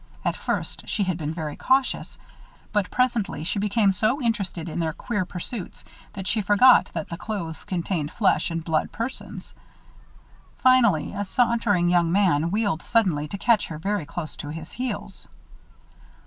At first she had been very cautious, but presently she became so interested in her queer pursuit that she forgot that the clothes contained flesh and blood persons. Finally a sauntering young man wheeled suddenly to catch her very close to his heels.